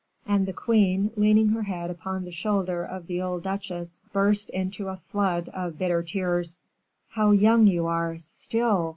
And the queen, leaning her head upon the shoulder of the old duchesse, burst into a flood of bitter tears. "How young you are still!"